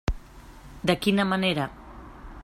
De quina manera?